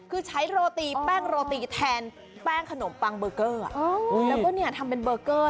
คือใช้โรตีแป้งโรตีแทนแป้งขนมปังเบอร์เกอร์แล้วก็เนี่ยทำเป็นเบอร์เกอร์